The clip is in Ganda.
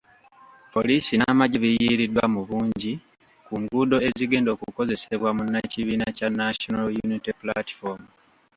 Poliisi n'amagye biyiiriddwa mu bungi ku nguudo ezigenda okukozesebwa munnakibiina kya National Unity Platform.